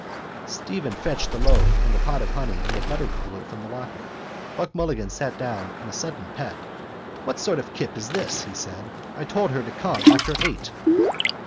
Stephen fetched the loaf and the pot of honey and the buttercooler from the locker. Buck Mulligan sat down in a sudden pet. —What sort of a kip is this? he said. I told her to come after eight.